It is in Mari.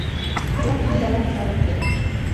— Тул ӱмбалан ырыкте.